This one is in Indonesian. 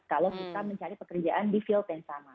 kalau kita mencari pekerjaan di field yang sama